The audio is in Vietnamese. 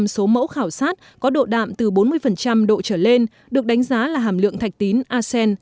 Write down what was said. chín mươi năm sáu mươi năm số mẫu khảo sát có độ đạm từ bốn mươi độ trở lên được đánh giá là hàm lượng thạch tín acen